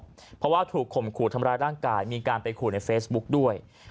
เพราะว่าถูกข่มขู่ทำร้ายร่างกายมีการไปขู่ในเฟซบุ๊กด้วย